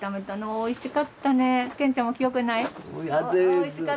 おいしかったね。